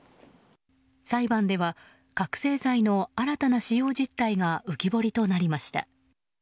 裁判では覚醒剤の新たな使用実態が浮き彫りとなりました。